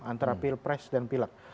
antara pilpres dan pilek